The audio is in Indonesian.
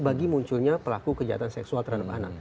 bagi munculnya pelaku kejahatan seksual terhadap anak